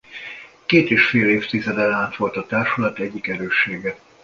Két és fél évtizeden át volt a társulat egyik erőssége.